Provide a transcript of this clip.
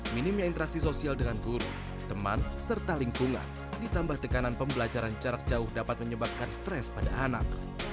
minimnya interaksi sosial dengan guru teman serta lingkungan ditambah tekanan pembelajaran jarak jauh dapat menyebabkan stres pada anak